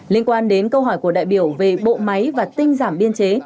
liên quan đến câu hỏi của đại biểu về bộ máy và tinh giảm biên chế